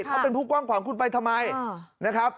เขาเป็นผู้กว้างขวางคุณไปทำไม